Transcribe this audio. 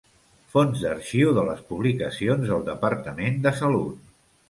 Fons d'arxiu de les publicacions del Departament de Salut.